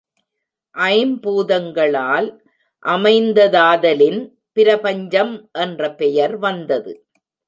ஐம்பூதங்களால் அமைந்ததாதலின் பிரபஞ்சம் என்ற பெயர் வந்தது.